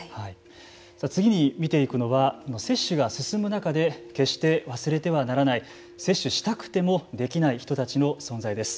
次に見ていくのは接種が進む中で決して忘れてはならない接種したくてもできない人たちの存在です。